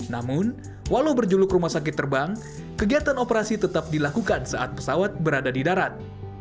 namun walau berjuluk rumah sakit terbang kegiatan operasi tetap dilakukan saat pesawat berada di darat